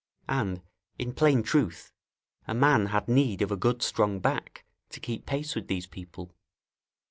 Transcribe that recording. And, in plain truth, a man had need of a good strong back to keep pace with these people.